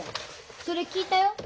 それ聞いたよ。